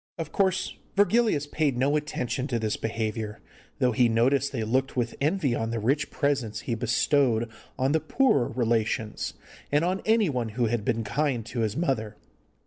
Of course, Virgilius paid no attention to this behaviour, though he noticed they looked with envy on the rich presents he bestowed on the poorer relations and on anyone who had been kind to his mother.